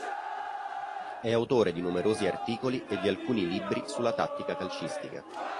È autore di numerosi articoli e di alcuni libri sulla tattica calcistica.